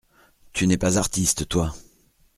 Tu n’es pas artiste, toi…